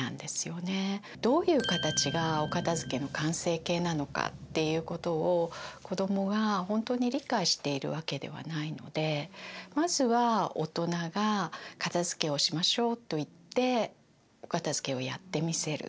どういう形がお片づけの完成形なのかっていうことを子どもが本当に理解しているわけではないのでまずは大人が「片づけをしましょう」と言ってお片づけをやってみせる。